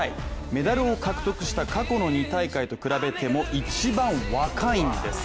メダルを獲得した過去の２大会と比べても一番若いんです。